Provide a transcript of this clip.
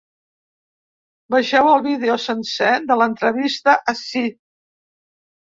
Vegeu el vídeo sencer de l’entrevista ací.